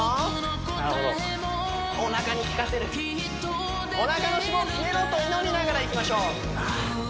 なるほどおなかにきかせる「おなかの脂肪消えろ」と祈りながらいきましょう